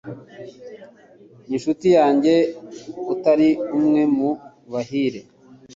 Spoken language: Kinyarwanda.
inshuti yanjye utari umwe mu Bahire